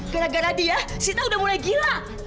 gara gara dia sita udah mulai gila